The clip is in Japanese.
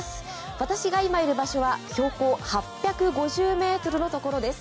私が今いる場所は標高８５０ｍのところです。